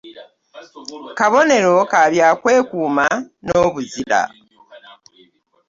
Kabonero ka bya kwekuuma n’obuzira.